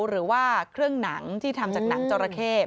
หรือว่าเครื่องหนังที่ทำจากหนังจราเข้